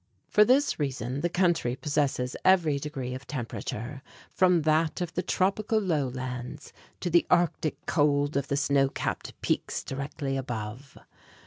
For this reason the country possesses every degree of temperature, from that of the tropical lowlands to the Arctic cold of the snow capped peaks directly above.